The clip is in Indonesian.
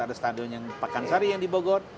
ada stadion pakansari yang dibogor